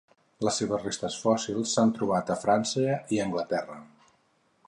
Les seves restes fòssils s'han trobat a França i Anglaterra.